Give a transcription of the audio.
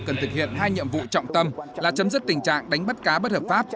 cần thực hiện hai nhiệm vụ trọng tâm là chấm dứt tình trạng đánh bắt cá bất hợp pháp